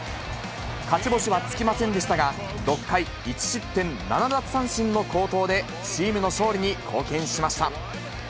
勝ち星はつきませんでしたが、６回１失点７奪三振の好投で、チームの勝利に貢献しました。